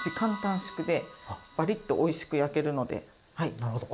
なるほど。